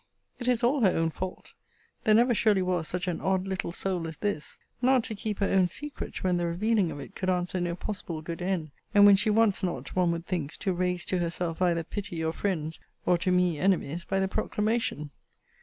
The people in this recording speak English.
It is all her own fault. There never, surely, was such an odd little soul as this. Not to keep her own secret, when the revealing of it could answer no possible good end; and when she wants not (one would think) to raise to herself either pity or friends, or to me enemies, by the proclamation!